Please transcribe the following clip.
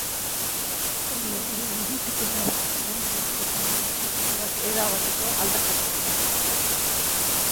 Hori horrela, litekeena da hurrengo orduetan botazioak erabateko aldaketa izatea.